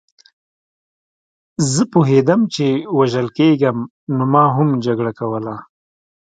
زه پوهېدم چې وژل کېږم نو ما هم جګړه کوله